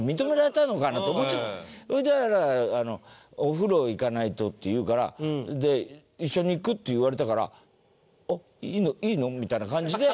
「お風呂行かないと」って言うから「一緒に行く？」って言われたから「いいの？いいの？」みたいな感じで。